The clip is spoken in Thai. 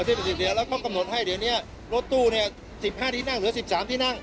เดี๋ยวเราต้องกำหนดให้เดี๋ยวนี้รถตู้เนี่ย๑๕ที่นั่งเหลือ๑๓ที่นั่ง